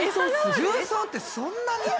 重曹ってそんなに？